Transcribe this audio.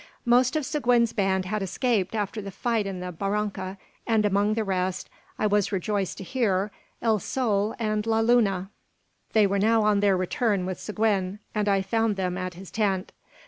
Most of Seguin's band had escaped after the fight in the barranca, and among the rest, I was rejoiced to hear, El Sol and La Luna. They were now on their return with Seguin, and I found them at his tent.